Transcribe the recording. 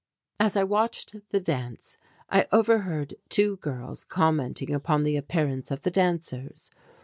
As I watched the dance I overheard two girls commenting upon the appearance of the dancers.